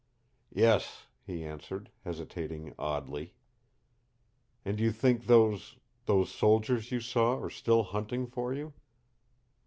"Yes," he answered, hesitating oddly. "And you think those those soldiers you saw are still hunting for you?"